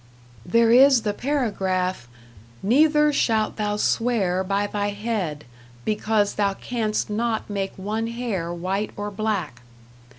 There is the paragraph, "Neither shalt thou swear by thy head, because thou canst not make one hair white or black."